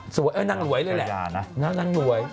สวยนะชายานะนั่งรวย